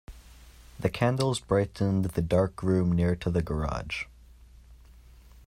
The candles brightened the dark room near to the garage.